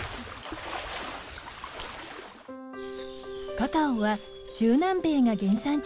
カカオは中南米が原産地です。